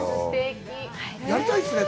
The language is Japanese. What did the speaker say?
やりたいですね。